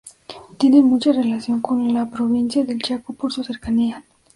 Tienen mucha relación con la provincia del Chaco por su cercanía.